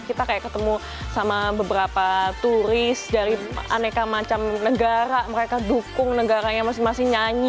kita kayak ketemu sama beberapa turis dari aneka macam negara mereka dukung negaranya masing masing nyanyi